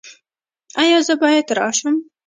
ایا زه باید راشم؟